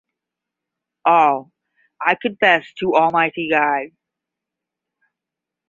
All: I confess to almighty God